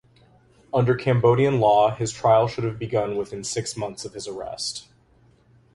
Under Cambodian law his trial should have begun within six months of his arrest.